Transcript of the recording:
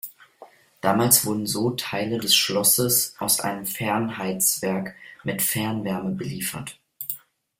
Damals wurden so Teile des Schlosses aus einem Fernheizwerk mit Fernwärme beliefert.